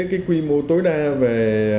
cái quy mô tối đa về